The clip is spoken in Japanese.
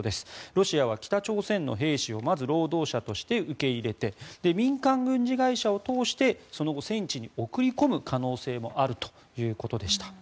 ロシアは北朝鮮の兵士をまず労働者として受け入れて民間軍事会社を通してその後、戦地に送り込む可能性もあるということでした。